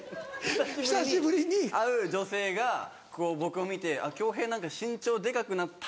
久しぶりに会う女性が僕を見て「恭平身長デカくなった？」